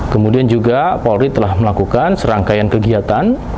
kemudian juga polri telah melakukan serangkaian kegiatan